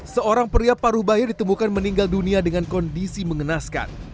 seorang pria paruh bayi ditemukan meninggal dunia dengan kondisi mengenaskan